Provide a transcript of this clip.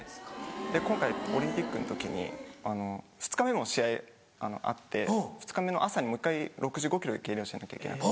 今回オリンピックの時に２日目も試合あって２日目の朝にもう１回６５ｋｇで計量しなきゃいけなくて。